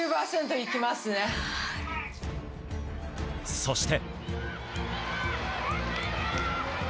そして。